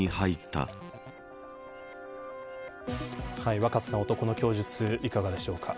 若狭さん男の供述、いかがでしょうか。